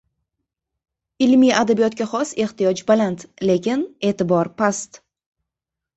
Ilmiy adabiyotga xos ehtiyoj baland, lekin e’tibor past.